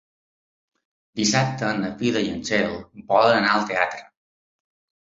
Dissabte na Frida i na Txell volen anar al teatre.